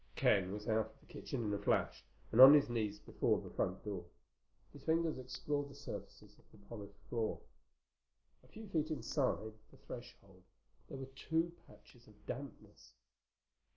Ken was out of the kitchen in a flash, and on his knees before the front door. His fingers explored the surface of the polished floor. A few feet inside the threshold there were two patches of dampness.